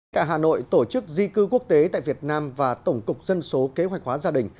cả hà nội tổ chức di cư quốc tế tại việt nam và tổng cục dân số kế hoạch hóa gia đình